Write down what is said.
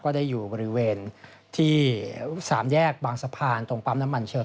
ได้อยู่บริเวณที่๓แยกบางสะพานตรงปั๊มน้ำมันเชิง